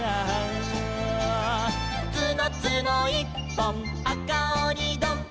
「つのつのいっぽんあかおにどん」